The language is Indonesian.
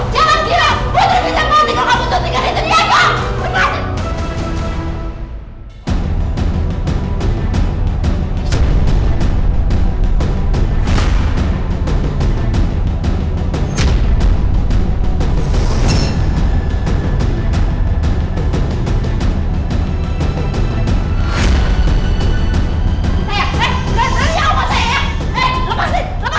jangan gila putri bisa mati kalau kamu suntikkan itu diego